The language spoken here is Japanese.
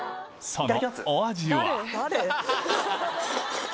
そのお味は？